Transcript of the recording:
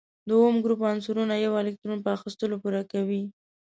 د اووم ګروپ عنصرونه یو الکترون په اخیستلو پوره کوي.